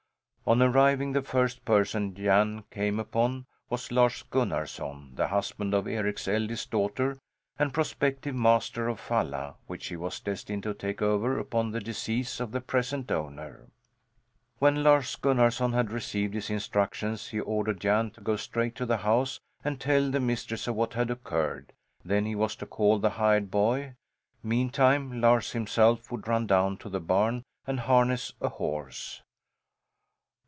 On arriving, the first person Jan came upon was Lars Gunnarson, the husband of Eric's eldest daughter and prospective master of Falla, which he was destined to take over upon the decease of the present owner. When Lars Gunnarson had received his instructions he ordered Jan to go straight to the house and tell the mistress of what had occurred; then he was to call the hired boy. Meantime Lars himself would run down to the barn and harness a horse.